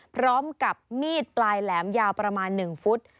พร้อมกับมีดปลายแหลมยาวประมาณ๑ฟุต